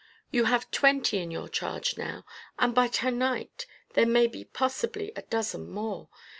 You have twenty in your charge now, and by to night there may be possibly a dozen more.